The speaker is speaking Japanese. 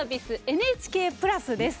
ＮＨＫプラスです。